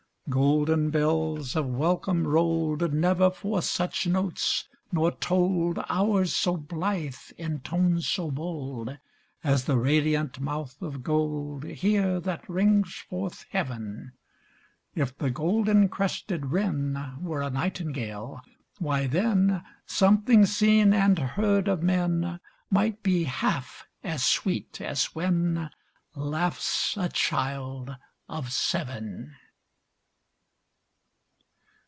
Golden bells of welcome rolled Never forth such note, nor told Hours so blithe in tones so bold, As the radiant month of gold Here that rings forth heaven. If the golden crested wren Were a nightingale why, then Something seen and heard of men Might be half as sweet as when Laughs a child of seven.